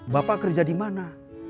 bapak kerja dimana